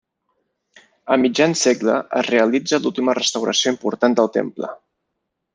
A mitjan segle es realitza l'última restauració important del temple.